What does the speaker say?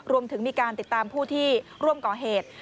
รวมถึงมีการติดตามผู้ที่ร่วมก่อเหตุ